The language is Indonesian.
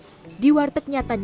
jadi kita bisa buka morong